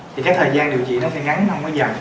thì cái thời gian điều trị nó sẽ ngắn không có dài